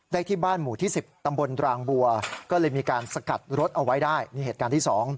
ที่บ้านหมู่ที่๑๐ตำบลรางบัวก็เลยมีการสกัดรถเอาไว้ได้นี่เหตุการณ์ที่๒